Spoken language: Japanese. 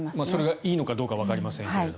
それがいいのかどうかわかりませんが。